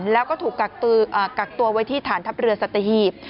แล้วก็ถูกกักตัวไว้ที่ฐานทัพเรือสัตหีบ